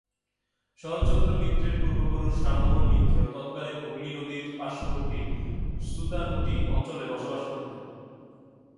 শরৎচন্দ্র মিত্রের পূর্বপুরুষ রামমোহন মিত্র তৎকালীন হুগলি নদীর পাশ্ববর্তী সুতানুটি অঞ্চলে বসবাস করতেন।